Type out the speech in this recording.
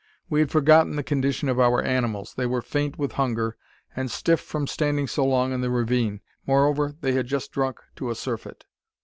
We had forgotten the condition of our animals. They were faint with hunger, and stiff from standing so long in the ravine. Moreover, they had just drunk to a surfeit.